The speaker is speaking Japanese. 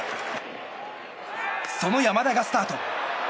その山田がスタート！